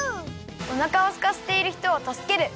おなかをすかせているひとをたすける！